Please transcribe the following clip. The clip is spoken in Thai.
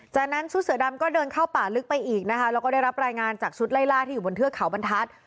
จากนั้นชุดเสือดำก็เดินเข้าป่าลึกไปอีกนะคะแล้วก็ได้รับรายงานจากชุดไล่ล่าที่อยู่บนเทือกเขาบรรทัศน์